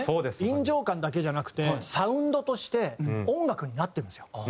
臨場感だけじゃなくてサウンドとして音楽になってるんですよ。